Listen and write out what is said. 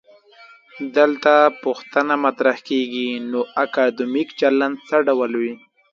دلته پوښتنه مطرح کيږي: نو اکادمیک چلند څه ډول وي؟